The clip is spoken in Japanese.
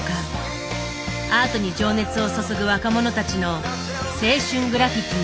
アートに情熱を注ぐ若者たちの青春グラフィティー。